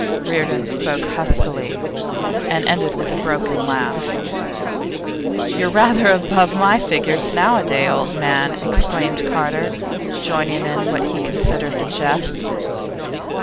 Reardon spoke huskily, and ended with a broken laugh. 'You're rather above my figure nowadays, old man!' exclaimed Carter, joining in what he considered the jest.